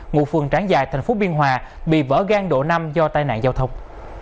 ngụ phường tráng già tp biên hòa bị vỡ gan độ năm do tai nạn giao thông